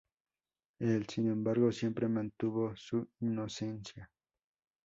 Él, sin embargo, siempre mantuvo su inocencia.